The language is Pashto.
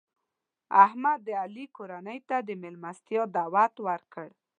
احمد د علي کورنۍ ته د مېلمستیا دعوت ورکړ.